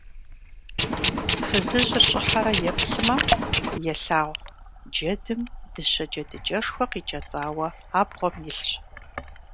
Фызыжьыр щӀыхьэрэ еплъмэ, елъагъу: джэдым дыщэ джэдыкӀэшхуэ къикӀэцӀауэ абгъуэм илъщ.